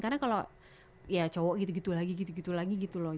karena kalau ya cowok gitu gitu lagi gitu gitu lagi gitu loh